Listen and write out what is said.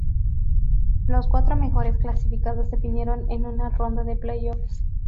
Los cuatro mejores clasificados definieron en una ronda de play-offs.